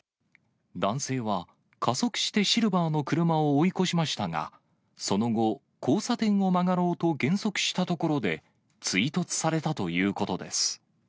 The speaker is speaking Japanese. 男性は加速してシルバーの車を追い越しましたが、その後、交差点を曲がろうと減速したところで、追突されたということです。